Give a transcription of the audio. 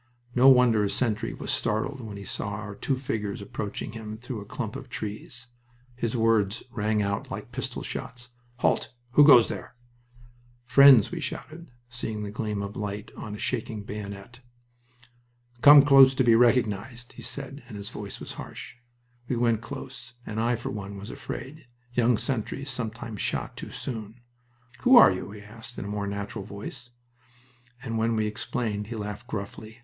No wonder a sentry was startled when he saw our two figures approaching him through a clump of trees. His words rang out like pistol shots. "Halt! Who goes there?" "Friends!" we shouted, seeing the gleam of light on a shaking bayonet. "Come close to be recognized!" he said, and his voice was harsh. We went close, and I for one was afraid. Young sentries sometimes shot too soon. "Who are you?" he asked, in a more natural voice, and when we explained he laughed gruffly.